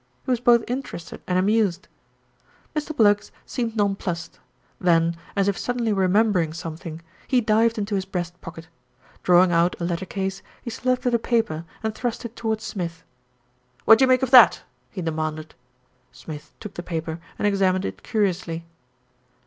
He was both interested and amused. Mr. Bluggs seemed nonplussed, then, as if suddenly remembering something, he dived into his breast pocket. Drawing out a letter case, he selected a paper, and thrust it towards Smith. "What do you make of that?" he demanded. Smith took the paper and examined it curiously.